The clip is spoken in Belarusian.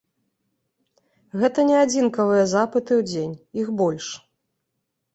Гэта не адзінкавыя запыты ў дзень, іх больш.